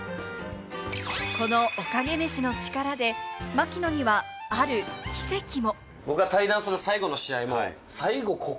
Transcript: このおかげ飯の力で、槙野にはある奇跡も！